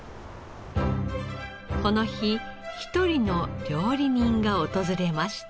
この日一人の料理人が訪れました。